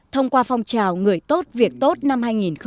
thông qua phong trào người tốt việc tốt năm hai nghìn một mươi bảy